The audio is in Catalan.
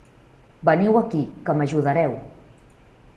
Veniu aquí, que m'ajudareu!